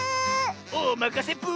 おまかせぷ。